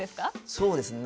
そうですね。